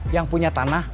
yang punya tanah